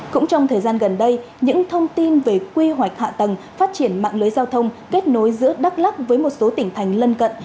cũng trong thời gian gần đây những thông tin về quy hoạch hạ tầng phát triển mạng lưới giao thông kết nối giữa đắk lắc với một số tỉnh thành lân cận